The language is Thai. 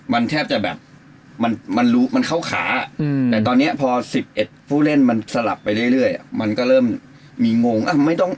มันแทบจะแบบมันรู้มันเข้าขาแต่ตอนนี้พอ๑๑ผู้เล่นมันสลับไปเรื่อยมันก็เริ่มมีงงอ่ะไม่ต้อง